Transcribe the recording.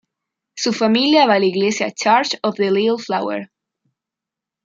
Su familia va a la Iglesia Church of the Little Flower.